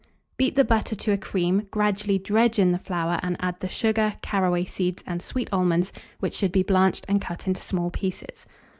Beat the butter to a cream, gradually dredge in the flour, and add the sugar, caraway seeds, and sweet almonds, which should be blanched and cut into small pieces.